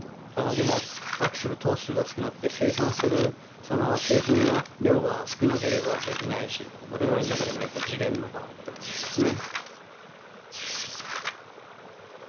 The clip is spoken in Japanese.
でも捕獲する頭数が少なくて生産する製品の量が少なければできないし我々の中でもやっぱジレンマがあると思うんですね。